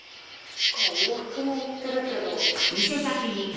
洋服も売ってるけど。